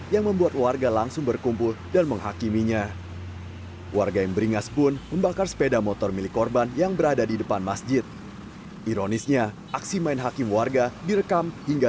dan melakukan suatu gerakan agresif kepada terhadap barang barang yang ada di sana